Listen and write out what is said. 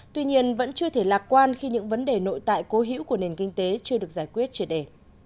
tuy nhiên vẫn chưa thể lạc quan khi những vấn đề nội tại cố hữu của nền kinh tế chưa được giải quyết triệt đề